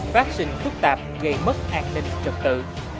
phát sinh phức tạp gây mất an ninh trật tự